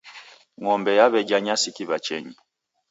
Ng'ombe yaw'ejha nyasi kiw'achenyi.